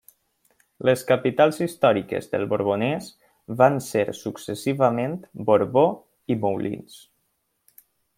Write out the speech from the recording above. Les capitals històriques del Borbonès van ésser successivament Borbó i Moulins.